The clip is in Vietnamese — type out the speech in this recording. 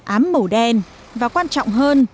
ám màu đen và quan trọng hơn